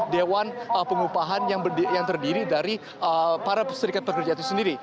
dewan pengupahan yang terdiri dari para serikat pekerja itu sendiri